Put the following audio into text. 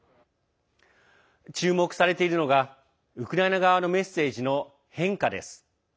注目されているのがウクライナ側のメッセージの変化です。